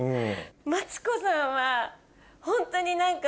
マツコさんはホントに何か。